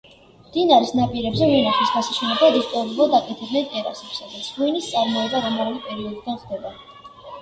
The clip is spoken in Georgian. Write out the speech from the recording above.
მდინარის ნაპირებზე ვენახის გასაშენებლად ისტორიულად აკეთებდნენ ტერასებს, სადაც ღვინის წარმოება რომაული პერიოდიდან ხდება.